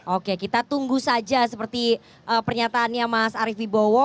oke kita tunggu saja seperti pernyataannya mas arief wibowo